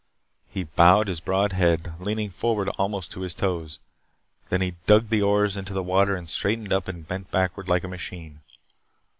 He bowed his broad head, leaning forward almost to his toes. Then he dug the oars into the water and straightened up and bent backward like a machine.